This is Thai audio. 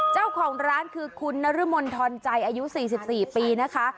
เจ้าของร้านคือคุณนรมนธรใจอายุ๔๔ปีนะคะ